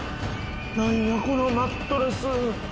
何やこのマットレス。